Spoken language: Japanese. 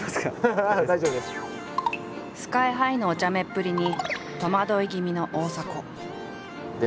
ＳＫＹ−ＨＩのお茶目っぷりに戸惑い気味の大迫。